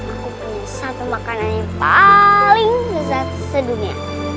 aku punya satu makanan yang paling lezat sedunia